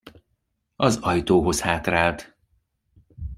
Az ajtóhoz hátrált.